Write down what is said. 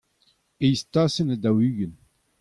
eizh tasenn ha daou-ugent.